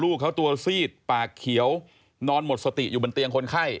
ลูกเขาตัวซีดปากเขียวนอนหมดสติอยู่บนเตียงคนไข้